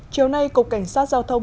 chiều nay cục cảnh sát giao thông